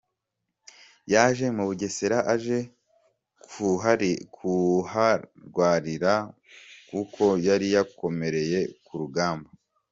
Yaje mu Bugesera aje kuharwalira kuko yali yakomerekeye kurugamba.